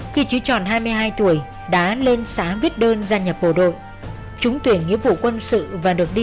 một nghìn chín trăm bảy mươi sáu khi chỉ tròn hai mươi hai tuổi đã lên xá viết đơn gia nhập bộ đội chúng tuyển nghĩa vụ quân sự và được đi